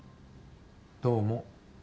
どうも。